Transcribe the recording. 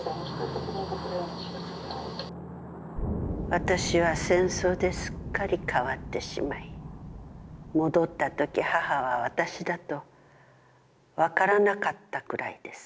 「私は戦争ですっかり変わってしまい、戻ったとき母は私だと分からなかったくらいです。